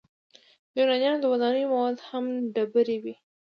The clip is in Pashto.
د یونانیانو د ودانیو مواد هم ډبرې وې.